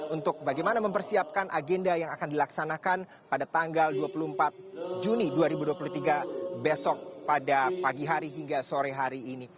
untuk bagaimana mempersiapkan agenda yang akan dilaksanakan pada tanggal dua puluh empat juni dua ribu dua puluh tiga besok pada pagi hari hingga sore hari ini